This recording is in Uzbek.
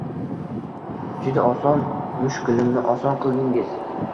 Juda oson, mushkulimni oson qildingiz…